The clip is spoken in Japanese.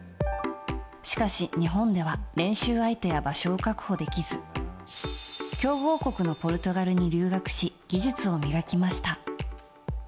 しかし、日本では練習相手や場所を確保できず強豪国のポルトガルに留学し技術を磨きました。